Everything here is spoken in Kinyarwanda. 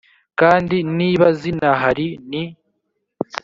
kandi niba zinahari ni